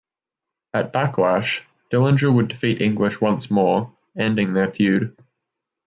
At Backlash, Dillinger would defeat English once more, ending their feud.